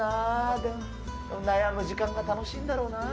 でも、悩む時間が楽しいんだろうな。